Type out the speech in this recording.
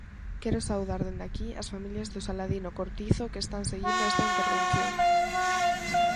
Quero saudar dende aquí as familias do Saladino Cortizo que están seguindo esta intervención.